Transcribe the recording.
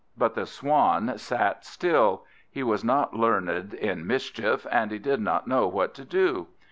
But the Swan sat still: he was not learned in mischief, and he did not know what to do.